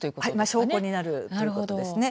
証拠になるということですね。